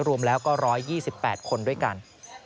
รวมแล้วก็๑๒๘คนด้วยกัน